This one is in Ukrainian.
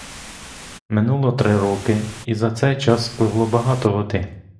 Минуло три роки, і за цей час спливло багато води.